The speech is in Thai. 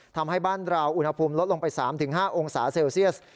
ทำให้บ้านเราอุณหภูมิลดลงไป๓๕องศาเซลเซียส